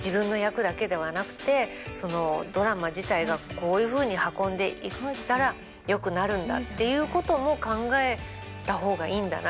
ドラマ自体がこういうふうに運んでいったらよくなるんだっていうことも考えたほうがいいんだな。